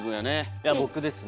いや僕ですね。